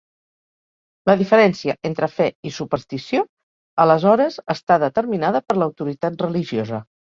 La diferència entre fe i superstició aleshores està determinada per l'autoritat religiosa.